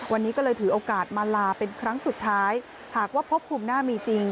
วันนี้ก็เลยถือโอกาสมาลาเป็นครั้งสุดท้ายหากว่าพบภูมิหน้ามีจริง